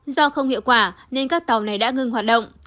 do không hiệu quả nên các tàu này đã ngưng hoạt động